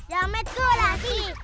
jamet gue rasih